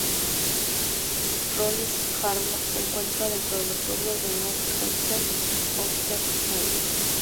Roslyn Harbor se encuentra dentro de los pueblos de North Hempstead y Oyster Bay.